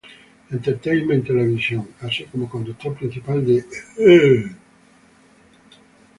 Entertainment Televisión, así como conductor principal de E!